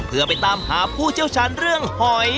เพื่อไปตามหาผู้เชี่ยวชาญเรื่องหอย